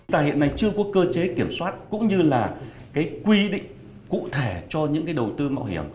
tại hiện nay chưa có cơ chế kiểm soát cũng như là quy định cụ thể cho những đầu tư mạo hiểm